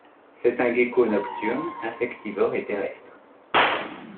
C'est un gecko nocturne, insectivore et terrestre.